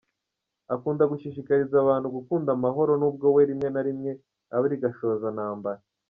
Akunda gushishikariza abantu gukunda amahoro n’ubwo we rimwe na rimwe aba ari gashozantambara.